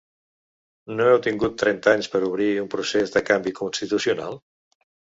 No heu tingut trenta anys per a obrir un procés de canvi constitucional?